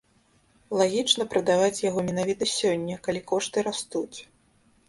Лагічна прадаваць яго менавіта сёння, калі кошты растуць.